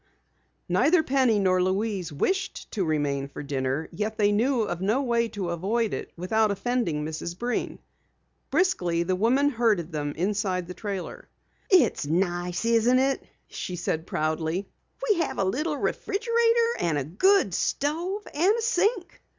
Neither Penny nor Louise wished to remain for dinner, yet they knew of no way to avoid it without offending Mrs. Breen. Briskly the woman herded them inside the trailer. "It's nice, isn't it?" she asked proudly. "We have a little refrigerator and a good stove and a sink.